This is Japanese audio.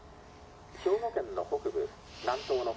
兵庫県の北部南東の風」。